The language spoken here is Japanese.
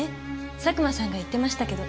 佐久間さんが言ってましたけど